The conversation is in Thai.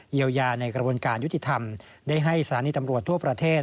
เยียวยาในกระบวนการยุติธรรมได้ให้สถานีตำรวจทั่วประเทศ